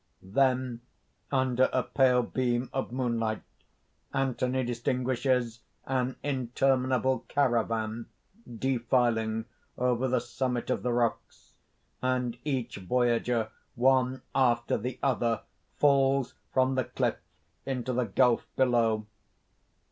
(_Then, under a pale beam of moonlight, Anthony distinguishes an interminable caravan defiling over the summit of the rocks; and each voyager, one after the other, falls from the cliff into the gulf below.